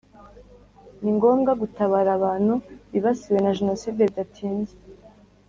ni ngombwa gutabara abantu bibasiwe na jenoside bidatinze.